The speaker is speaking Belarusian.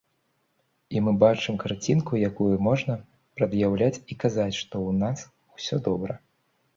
І мы бачым карцінку, якую можна прад'яўляць і казаць, што ў нас усё добра.